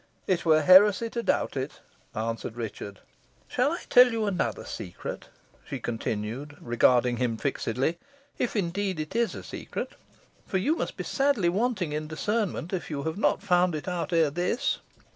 "It were heresy to doubt it," answered Richard. "Shall I tell you another secret?" she continued, regarding him fixedly "if, indeed, it be a secret, for you must be sadly wanting in discernment if you have not found it out ere this.